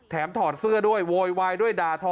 ถอดเสื้อด้วยโวยวายด้วยด่าทอ